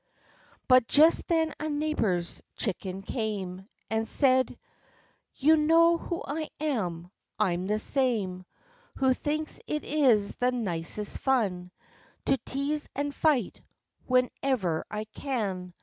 89 But just then a neighbor's chicken came, And said, "You know who I am; I'm the same Who thinks it is the nicest fun To tease and fight, whenever I can.